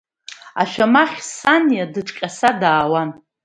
Ашәамахь Саниа дыҿҟьаса даауан.